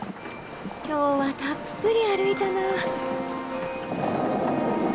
今日はたっぷり歩いたな！